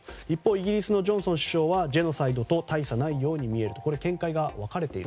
一方イギリスのジョンソン首相はジェノサイドと大差ないように見える。